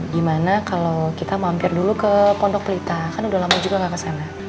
gimana kalau kita mampir dulu ke pondok pelita kan udah lama juga nggak kesana